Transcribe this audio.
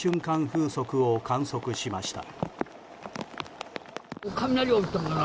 風速を観測しました。